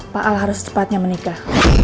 pak al harus tepatnya menikah